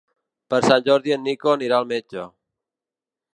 Per Sant Jordi en Nico anirà al metge.